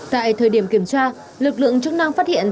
tại thời điểm kiểm tra lực lượng chức năng phát hiện